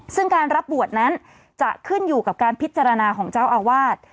ซึ่งการรับบวชนั้นจะขึ้นอยู่กับการพิจารณาของเจ้าอาวาส